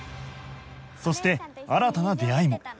そして新たな出会いも